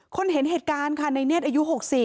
คนเห็นเหตุการณ์ในเนียดอายุ๖๐